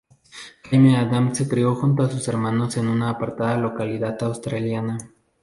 Jennie Adams se crio junto a sus hermanos en una apartada localidad australiana.